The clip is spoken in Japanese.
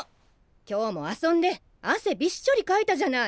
今日も遊んであせびっしょりかいたじゃない。